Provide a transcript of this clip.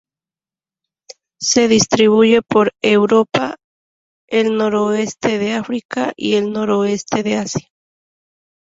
Se distribuye por Europa, el noroeste de África y el suroeste de Asia.